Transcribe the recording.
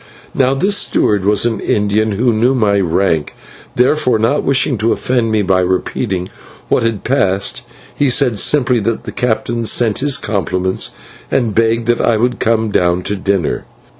Now this steward was an Indian who knew my rank. Therefore not wishing to offend me by repeating what had passed, he said simply that the captain sent his compliments and begged that I would come down to dinner.